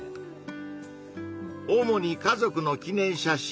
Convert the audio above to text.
おもに家族の記念写真